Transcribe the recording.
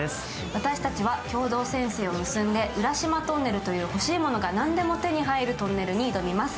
私たちは共同戦線を結んで、ウラシマトンネルという欲しいものが何でも手に入るトンネルに挑みます。